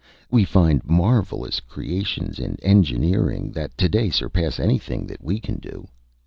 We find marvellous creations in engineering that to day surpass anything that we can do.